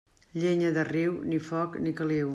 Llenya de riu, ni foc ni caliu.